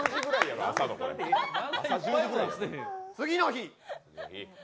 次の日。